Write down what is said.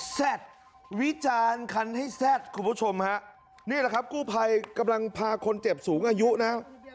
แซ่บวิจารณ์คันให้แซ่ดคุณผู้ชมฮะนี่แหละครับกู้ภัยกำลังพาคนเจ็บสูงอายุนะ